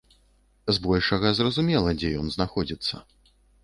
Збольшага, зразумела, дзе ён знаходзіцца.